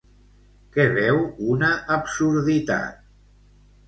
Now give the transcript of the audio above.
Què veu una absurditat?